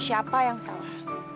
siapa yang salah